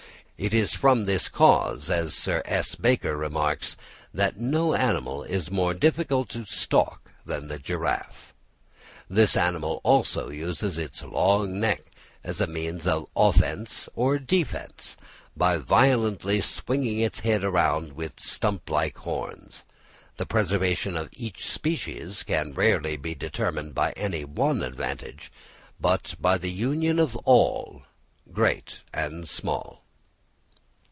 It is from this cause, as Sir S. Baker remarks, that no animal is more difficult to stalk than the giraffe. This animal also uses its long neck as a means of offence or defence, by violently swinging its head armed with stump like horns. The preservation of each species can rarely be determined by any one advantage, but by the union of all, great and small.